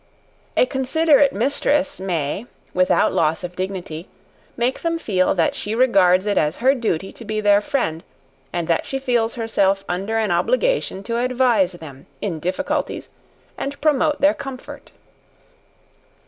A considerate mistress may, without loss of dignity, make them feel that she regards it as her duty to be their friend, and that she feels herself under an obligation to advise them in difficulties and promote their comfort.